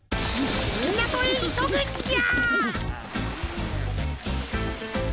みなとへいそぐんじゃ！